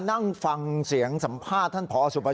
แล้วก็เรียกเพื่อนมาอีก๓ลำ